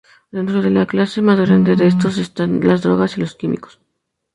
Dentro de la clase más grande de estos están las drogas y los químicos.